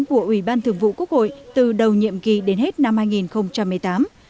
của ủy ban thường vụ quốc hội từ đầu nhiệm kỳ đến hết năm hai nghìn một mươi tám